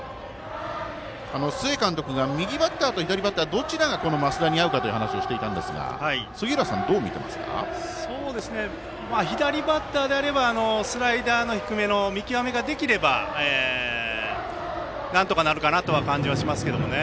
須江監督が右バッターと左バッターどちらが増田に合うかという話をしていたんですが左バッターであればスライダーの低めの見極めができればなんとかなるかなという感じはしますけどね。